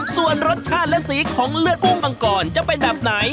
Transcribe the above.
ส่วนรสชาติและสีของเลือดกุ้งมังกรจะเป็นแบบไหน